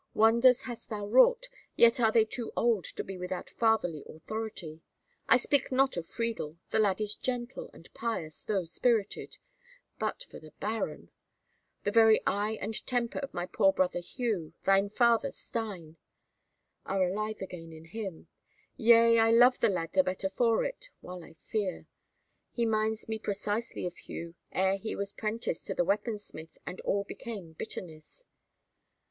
Wonders hast thou wrought, yet are they too old to be without fatherly authority. I speak not of Friedel; the lad is gentle and pious, though spirited, but for the baron. The very eye and temper of my poor brother Hugh—thy father, Stine—are alive again in him. Yea, I love the lad the better for it, while I fear. He minds me precisely of Hugh ere he was 'prenticed to the weapon smith, and all became bitterness."